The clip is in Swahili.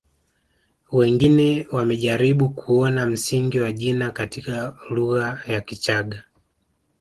Wengine wamejaribu kuona msingi wa jina katika lugha ya Kichaga